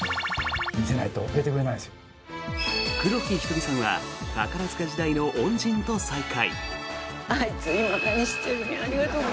黒木瞳さんは宝塚時代の恩人と再会。